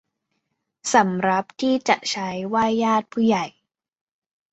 สำรับที่จะใช้ไหว้ญาติผู้ใหญ่